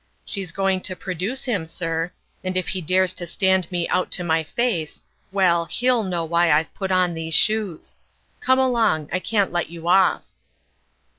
She's going to produce him, sir ; and if he dares to Interest. 165 stand me out to my face well, he'll know why I've put on these shoes ! Come along ; I can't let you off."